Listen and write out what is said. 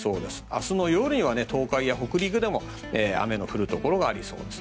明日の夜には東海や北陸でも雨の降るところがありそうです。